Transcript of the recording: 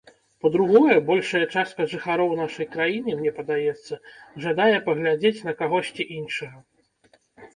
Па-другое, большая частка жыхароў нашай краіны, мне падаецца, жадае паглядзець на кагосьці іншага.